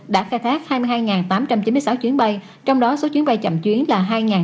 đã khai thác hai mươi hai tám trăm chín mươi sáu chuyến bay trong đó số chuyến bay chậm chuyến là hai năm trăm ba mươi